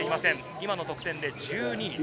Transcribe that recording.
今の得点で１２位。